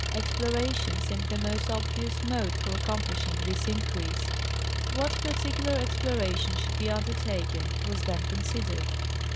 Exploration seemed the most obvious mode for accomplishing this increase. What par ticular exploration should be undertaken was then considered.